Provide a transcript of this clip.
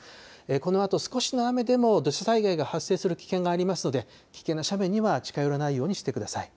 このあと少しの雨でも土砂災害が発生する危険がありますので、危険な斜面には近寄らないようにしてください。